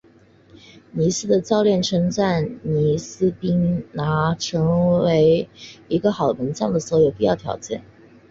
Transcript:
尼斯的教练称赞奥斯宾拿有成为一个好门将所有必要的条件。